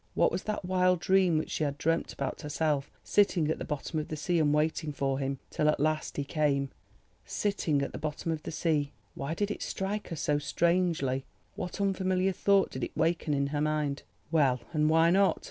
What was that wild dream which she had dreamt about herself sitting at the bottom of the sea, and waiting for him—till at last he came. Sitting at the bottom of the sea—why did it strike her so strangely—what unfamiliar thought did it waken in her mind? Well, and why not?